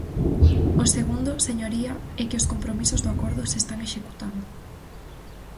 O segundo, señoría, é que os compromisos do acordo se están executando.